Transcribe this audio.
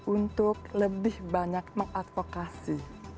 untuk lebih banyak mengadvokasi